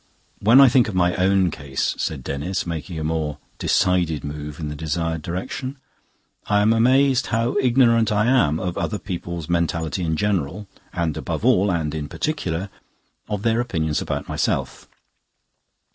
"When I think of my own case," said Denis, making a more decided move in the desired direction, "I am amazed how ignorant I am of other people's mentality in general, and above all and in particular, of their opinions about myself.